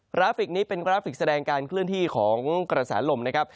ราฟิกนี้เป็นกราฟิกแสดงการเคลื่อนที่ของกระแสลมนะครับ